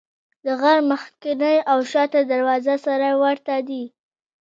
د غار مخکینۍ او شاته دروازه سره ورته دي.